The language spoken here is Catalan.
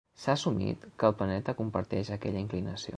S"ha assumit que el planeta comparteix aquella inclinació.